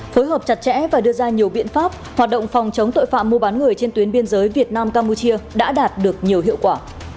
phối hợp chặt chẽ và đưa ra nhiều biện pháp hoạt động phòng chống tội phạm mua bán người trên tuyến biên giới việt nam campuchia đã đạt được nhiều hiệu quả